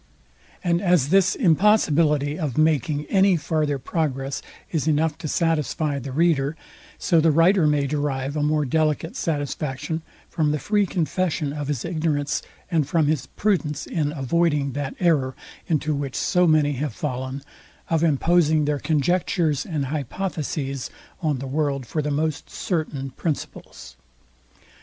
And as this impossibility of making any farther progress is enough to satisfy the reader, so the writer may derive a more delicate satisfaction from the free confession of his ignorance, and from his prudence in avoiding that error, into which so many have fallen, of imposing their conjectures and hypotheses on the world for the most certain principles.